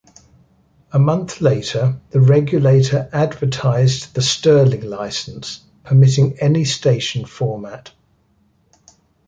A month later, the regulator advertised the Stirling licence, permitting any station format.